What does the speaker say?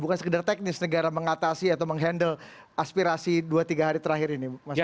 bukan sekedar teknis negara mengatasi atau menghandle aspirasi dua tiga hari terakhir ini